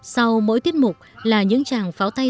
sau mỗi tiết mục là những chàng pháo tay